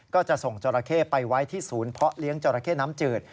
ก็จะส่งจราเข้ไปไว้ที่ศูนย์เพาะเลี้ยงจราเข้น้ำจืด